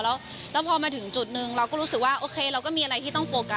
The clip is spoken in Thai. แล้วพอมาถึงจุดหนึ่งเราก็รู้สึกว่าโอเคเราก็มีอะไรที่ต้องโฟกัส